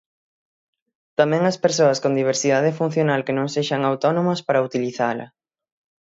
Tamén as persoas con diversidade funcional que non sexan autónomas para utilizala.